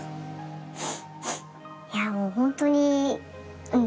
いやもうほんとにうん